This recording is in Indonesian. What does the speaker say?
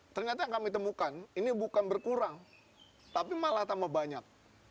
ternyata yang kami temukan ini bukan berkurang tapi malah tambah banyak